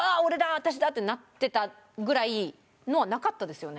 「私だ」ってなってたぐらいのはなかったですよね？